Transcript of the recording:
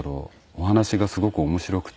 お話がすごく面白くて。